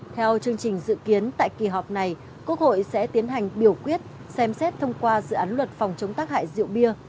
theo chương trình dự kiến tại kỳ họp này quốc hội sẽ tiến hành biểu quyết xem xét thông qua dự án luật phòng chống tác hại rượu bia